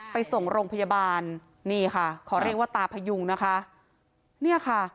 ไปส่งโรงพยาบาลนี่ค่ะขอเรียกว่าตาพยุงนะคะเนี่ยค่ะ